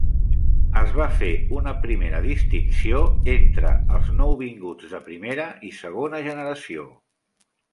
Es va fer una primera distinció entre els nouvinguts de primera i segona generació.